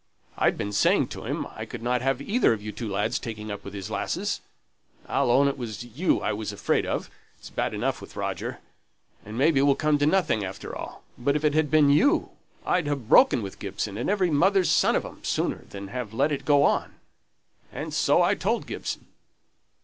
I'd been saying to him, I couldn't have either of you two lads taking up with his lasses. I'll own it was you I was afraid of it's bad enough with Roger, and maybe will come to nothing after all; but if it had been you, I'd ha' broken with Gibson and every mother's son of 'em, sooner than have let it go on; and so I told Gibson."